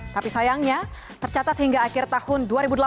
tapi sayangnya tercatat hingga akhir tahun dua ribu delapan belas